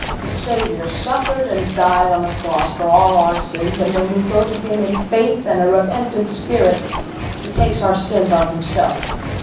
The Savior suffered and died on the cross for all our sins, and when we go to Him in faith and a repentant spirit he takes our sins on Himself.